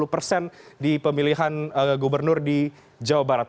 dua puluh persen di pemilihan gubernur di jawa barat